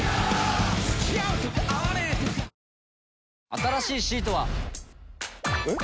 新しいシートは。えっ？